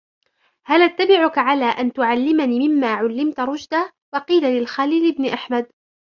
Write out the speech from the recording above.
هَلْ أَتَّبِعُكَ عَلَى أَنْ تُعَلِّمَنِ مِمَّا عُلِّمْتَ رُشْدًا وَقِيلَ لِلْخَلِيلِ بْنِ أَحْمَدَ